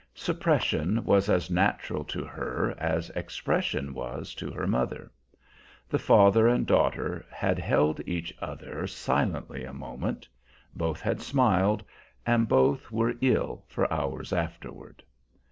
Suppression was as natural to her as expression was to her mother. The father and daughter had held each other silently a moment; both had smiled, and both were ill for hours afterward.